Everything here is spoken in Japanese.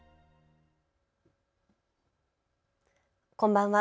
こんばんは。